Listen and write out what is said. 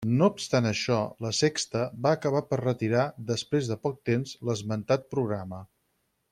No obstant això, La Sexta va acabar per retirar, després de poc temps, l'esmentat programa.